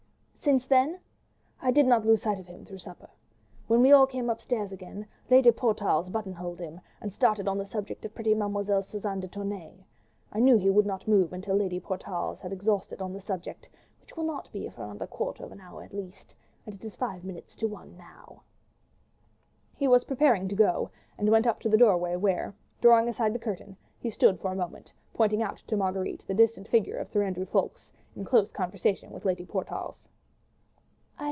"Since then?" "I did not lose sight of him through supper. When we all came upstairs again, Lady Portarles buttonholed him and started on the subject of pretty Mlle. Suzanne de Tournay. I knew he would not move until Lady Portarles had exhausted the subject, which will not be for another quarter of an hour at least, and it is five minutes to one now." He was preparing to go, and went up to the doorway, where, drawing aside the curtain, he stood for a moment pointing out to Marguerite the distant figure of Sir Andrew Ffoulkes in close conversation with Lady Portarles.